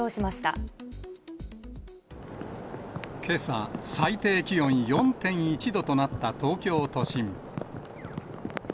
けさ、最低気温４．１度となった東京都心。